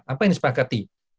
apa yang disepakati